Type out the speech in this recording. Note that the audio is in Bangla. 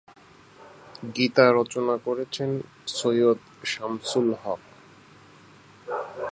গীত রচনা করেছেন সৈয়দ শামসুল হক।